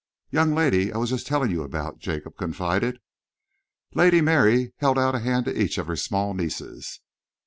"Young lady I was just telling you about," Jacob confided. Lady Mary held out a hand to each of her small nieces.